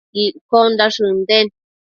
Iccondash ënden